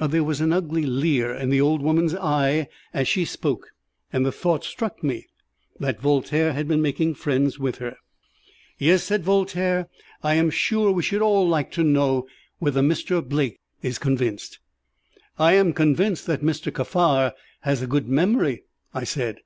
There was an ugly leer in the old woman's eye as she spoke, and the thought struck me that Voltaire had been making friends with her. "Yes," said Voltaire; "I am sure we should all like to know whether Mr. Blake is convinced." "I am convinced that Mr. Kaffar has a good memory," I said.